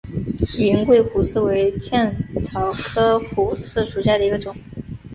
云桂虎刺为茜草科虎刺属下的一个种。